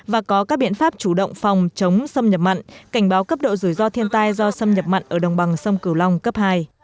và có các biện pháp chủ động phòng chống xâm nhập mặn cảnh báo cấp độ rủi ro thiên tai do xâm nhập mặn ở đồng bằng sông cửu long cấp hai